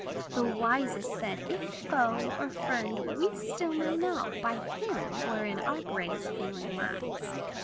The wisest said, "If foe, Or friend, we still may know By him, wherein our greatest failing lies.